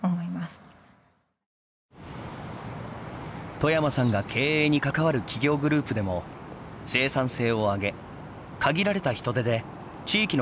冨山さんが経営に関わる企業グループでも生産性を上げ限られた人手で地域の交通手段を維持しています。